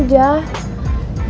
itu juga kan